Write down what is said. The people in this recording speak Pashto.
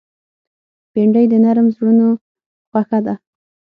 بېنډۍ د نرم زړونو خوښه ده